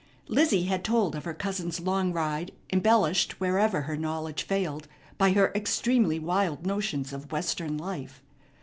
Lizzie had told of her cousin's long ride, embellished, wherever her knowledge failed, by her extremely wild notions of Western life.